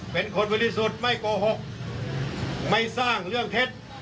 เป็นคนบริสุทธิ์ไม่โกหกไม่สร้างเรื่องเท็จ